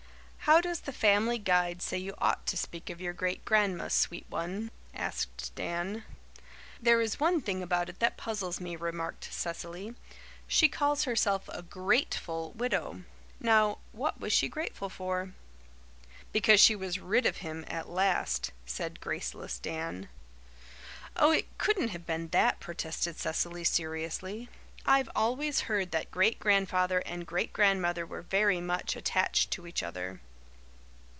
"How does The Family Guide say you ought to speak of your great grandma, sweet one?" asked Dan. "There is one thing about it that puzzles me," remarked Cecily. "She calls herself a GRATEFUL widow. Now, what was she grateful for?" "Because she was rid of him at last," said graceless Dan. "Oh, it couldn't have been that," protested Cecily seriously. "I've always heard that Great Grandfather and Great Grandmother were very much attached to each other."